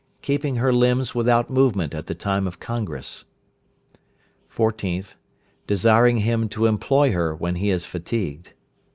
Keeping her limbs without movement at the time of congress. 14th. Desiring him to employ her when he is fatigued.